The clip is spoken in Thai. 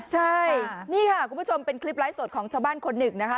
ใช่นี่ค่ะคุณผู้ชมเป็นคลิปไลฟ์สดของชาวบ้านคนหนึ่งนะคะ